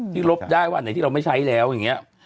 ที่ลบได้เมื่อกี้เราไม่ใช้แล้วอย่างนี้